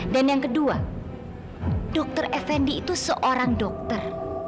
dan yang kedua dokter fnd itu seorang dokter